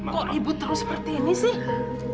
kok ribut terus seperti ini sih